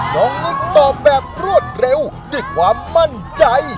นิกตอบแบบรวดเร็วด้วยความมั่นใจ